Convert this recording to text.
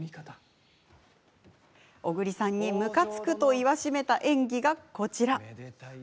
小栗さんにむかつくと言わしめた演技がこちら。